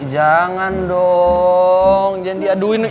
jangan dong jangan diaduin